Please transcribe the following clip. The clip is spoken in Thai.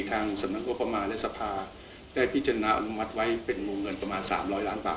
ทางสำนักงบประมาณและสภาได้พิจารณาอนุมัติไว้เป็นวงเงินประมาณ๓๐๐ล้านบาท